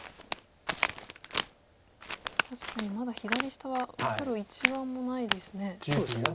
確かにまだ左下は黒一眼もないですね。